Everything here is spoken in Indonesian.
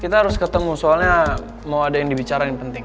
kita harus ketemu soalnya mau ada yang dibicarain penting